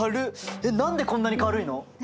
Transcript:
えっ何でこんなに軽いの？